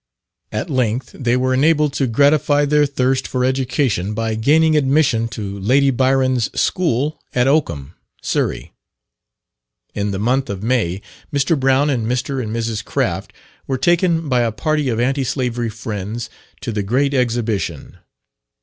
At length they were enabled to gratify their thirst for education by gaining admission to Lady Byron's school at Oakham, Surrey. In the month of May, Mr. Brown and Mr. and Mrs. Craft were taken by a party of anti slavery friends to the Great Exhibition.